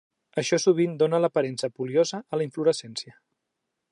Això sovint dóna l'aparença pilosa a la inflorescència.